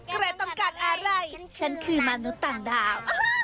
แกต้องการอะไรฉันคือนานุต่างดาว